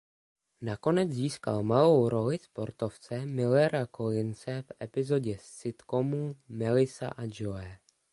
Nakonec získal malou roli sportovce Millera Collinse v epizodě sitcomu "Melissa a Joey".